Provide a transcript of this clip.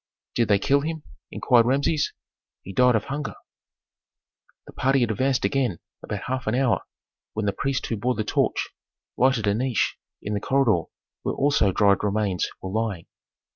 "Did they kill him?" inquired Rameses. "He died of hunger." The party had advanced again about half an hour, when the priest who bore the torch lighted a niche in the corridor where also dried remains were lying.